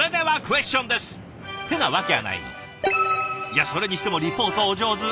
いやそれにしてもリポートお上手！